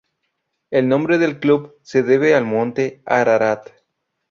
El nombre del club se debe al monte Ararat.